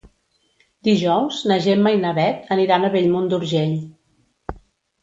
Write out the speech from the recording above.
Dijous na Gemma i na Bet aniran a Bellmunt d'Urgell.